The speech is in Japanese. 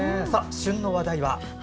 旬の話題は？